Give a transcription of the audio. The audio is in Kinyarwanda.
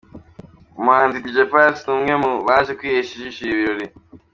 Umuhanzi Dj Pius ni umwe mu baje kwihera ijisho ibi birori.